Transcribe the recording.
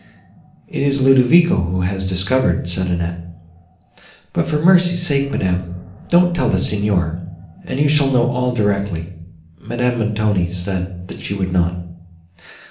"It is Ludovico, who has discovered," said Annette: "but for mercy's sake, madam, don't tell the Signor, and you shall know all directly." Madame Montoni said, that she would not.